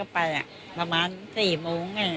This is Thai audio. ประมาณสี่โมงอ่ะ